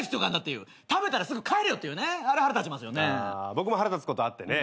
僕も腹立つことあってね。